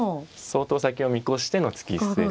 相当先を見越しての突き捨てですね。